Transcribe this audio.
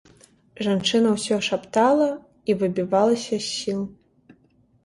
Жанчына ўсё шаптала і выбівалася з сіл.